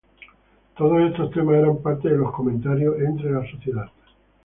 Todos estos temas eran parte de los comentarios entre la sociedad.